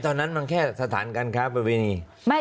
ตอนนั้นมันแค่สถานการค้าประเวณี